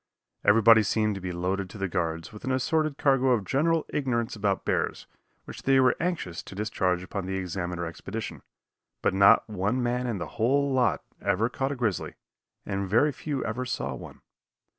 Everybody seemed to be loaded to the guards with an assorted cargo of general ignorance about bears, which they were anxious to discharge upon the Examiner expedition, but not one man in the whole lot ever caught a grizzly, and very few ever saw one.